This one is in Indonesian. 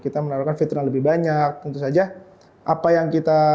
kita menawarkan fitur yang lebih banyak tentu saja apa yang kita